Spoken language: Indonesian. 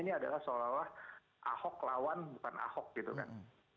sampai saat ini kan fokusnya ini adalah seolah olah ahok lawan bukan ahok gitu kan